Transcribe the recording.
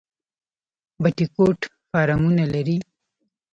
بټي کوټ فارمونه لري؟